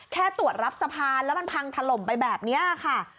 แค่ตรวจรับสะพานแล้วมันพังถล่มไปแบบนี้ค่ะ